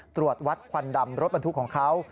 ตรวจวัดควันดำรถบรรทุกของเขา